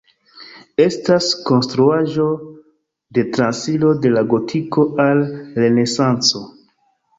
Estas konstruaĵo de transiro de la Gotiko al Renesanco.